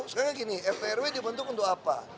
sekarang gini fprw dibentuk untuk apa